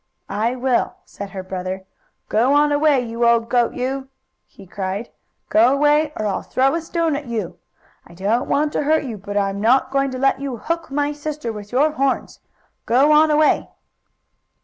"I will," said her brother. "Go on away, you old goat you!" he cried. "Go away or I'll throw a stone at you. I don't want to hurt you, but I'm not going to let you hook my sister with your horns. Go on away!"